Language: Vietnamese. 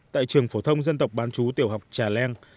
tại trường phổ thông dân tộc bán chú trà leng